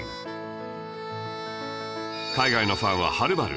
海外のファンははるばる